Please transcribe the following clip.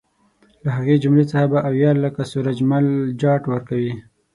له هغې جملې څخه به اویا لکه سورج مل جاټ ورکوي.